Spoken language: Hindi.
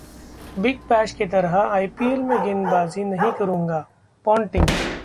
बिग बैश की तरह आईपीएल में गेंदबाजी नहीं करूंगा: पोंटिंग